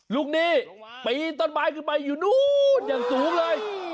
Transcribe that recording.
ลูกหนี้ปีนต้นไม้ขึ้นไปอยู่นู้นอย่างสูงเลย